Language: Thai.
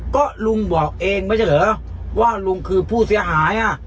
ก็ลุงบอกเองไม่ใช่เหรอว่าลุงคือผู้เสียหายอ่ะ